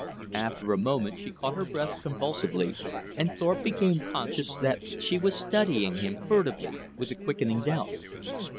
After a moment she caught her breath convulsively, and Thorpe became conscious that she was studying him furtively with a quickening doubt.